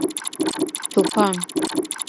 توپان